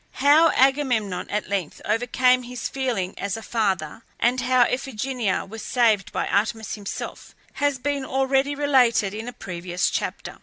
How Agamemnon at length overcame his feelings as a father, and how Iphigenia was saved by Artemis herself, has been already related in a previous chapter.